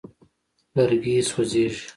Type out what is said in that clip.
لرګي سوځېږي.